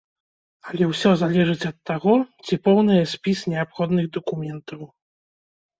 Але ўсё залежыць ад таго, ці поўнае спіс неабходных дакументаў.